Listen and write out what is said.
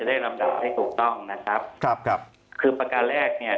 ได้ลำดับให้ถูกต้องนะครับครับคือประการแรกเนี่ย